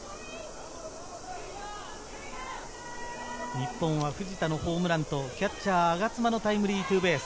日本は藤田のホームランとキャッチャー・我妻のタイムリーツーベース。